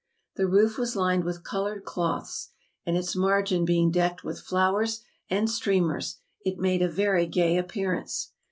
The roof was lined with coloured cloths; and its margin being decked with flowers and streamers, it made a very gay appearance.